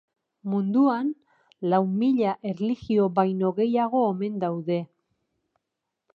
Munduan lau mila erlijio baino gehiago omen daude.